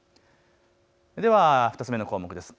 では２つ目の項目です。